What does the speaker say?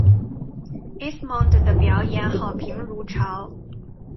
Esmond 的表演好评如潮。